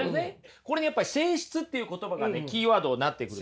これねやっぱり性質っていう言葉がねキーワードになってくると思います。